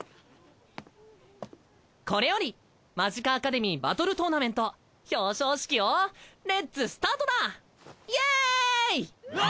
これよりマジカアカデミーバトルトーナメント表彰式をレッツスタートだイエエエエエエイ！